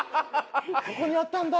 「ここにあったんだ！」